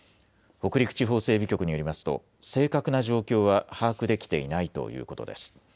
北陸地方整備局によりますと正確な状況は把握できていないということです。